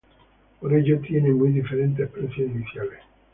Por ello tiene muy diferentes precios iniciales.